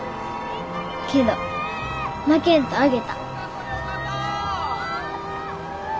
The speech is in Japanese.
けど負けんとあげた。